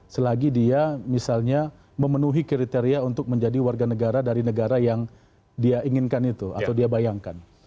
selagi dia misalnya memenuhi kriteria untuk menjadi warga negara dari negara yang dia inginkan itu atau dia bayangkan